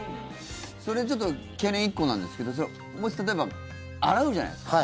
それちょっと懸念１個なんですけどもし例えば洗うじゃないですか。